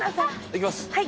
いきます。